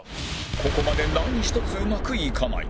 ここまで何ひとつうまくいかない